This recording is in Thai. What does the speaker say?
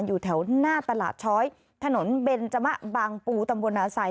อยู่แถวหน้าตลาดช้อยถนนเบนจมะบางปูตำบลนาไซ